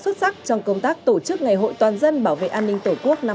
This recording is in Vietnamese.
xuất sắc trong công tác tổ chức ngày hội toàn dân bảo vệ an ninh tổ quốc năm hai nghìn hai mươi bốn